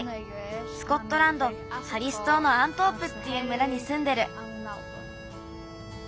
スコットランドハリスとうのアントープっていう村にすんでる。